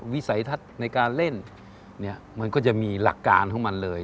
วิสัยทัศน์ในการเล่นมันก็จะมีหลักการของมันเลย